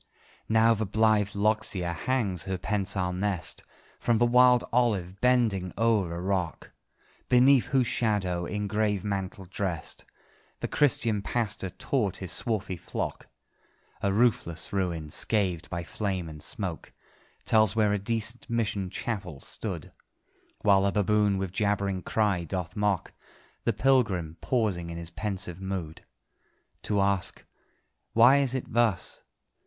Now the blithe loxia hangs her pensile nest From the wild olive, bending o'er the rock, Beneath whose shadow, in grave mantle drest, The Christian pastor taught his swarthy flock. A roofless ruin, scathed by flame and smoke, Tells where a decent mission chapel stood; While the baboon with jabbering cry doth mock The pilgrim, pausing in his pensive mood To ask "Why is it thus?